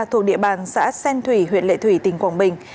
thuộc địa bàn xã sen thủy huyện lệ thủy tỉnh quảng bình